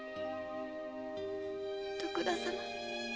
徳田様。